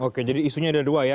oke jadi isunya ada dua ya